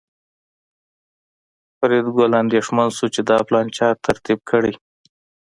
فریدګل اندېښمن شو چې دا پلان چا ترتیب کړی